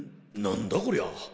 何だこりゃあ。